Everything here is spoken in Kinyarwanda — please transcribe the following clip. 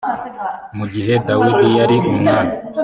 mu gihe dawidi yari umwami